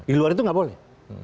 di luar itu nggak boleh